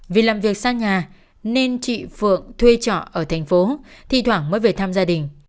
vì làm việc xa nhà nên chị phượng thuê trọ ở thành phố thi thoảng mới về thăm gia đình